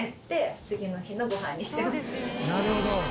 「なるほど」